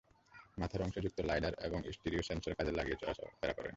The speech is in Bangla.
মাথার অংশে যুক্ত লাইডার এবং স্টিরিও সেন্সর কাজে লাগিয়ে চলাফেরা করে।